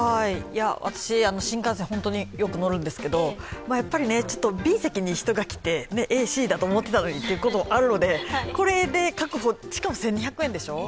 私、新幹線、本当によく乗るんですけれども、Ｂ席に人が来て、Ａ、Ｃだと思ってたのにということがあるのにこれで確保、しかも１２００円でしょう。